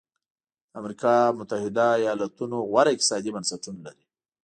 د امریکا متحده ایالتونو غوره اقتصادي بنسټونه لري.